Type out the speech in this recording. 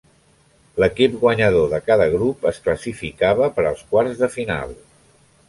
L'equip guanyador de cada grup es classificava per als quarts de final.